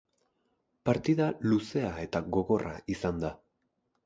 Partida luzea eta gogorra izan da.